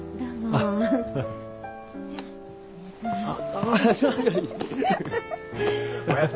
ああ。